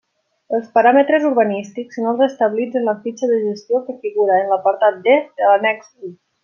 Els paràmetres urbanístics són els establits en la fitxa de gestió que figura en l'apartat D de l'annex I.